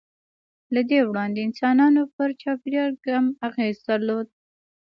له دې وړاندې انسانانو پر چاپېریال کم اغېز درلود.